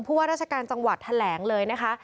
ว่าราชการจังหวัดแถลงเลยนะคะ